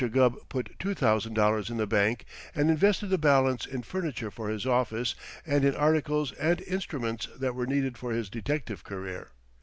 Gubb put two thousand dollars in the bank and invested the balance in furniture for his office and in articles and instruments that were needed for his detective career.